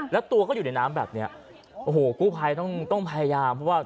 แล้วตัวก็อยู่ในน้ำแบบเนี้ยโอ้โหกู้ภัยต้องต้องพยายามเพราะว่า